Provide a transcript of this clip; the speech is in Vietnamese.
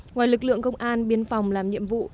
ngoài lực lượng công an biên phòng làm nhiệm vụ